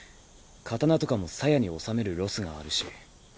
刀とかも鞘に納めるロスがあるし。